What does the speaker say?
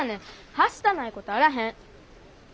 はしたないことあらへん。